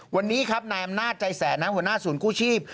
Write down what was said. วันนี้ครับนายอำนาจใจแสนหัวหน้าศูนย์กู้ชีพ